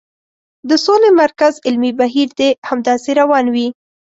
د سولې مرکز علمي بهیر دې همداسې روان وي.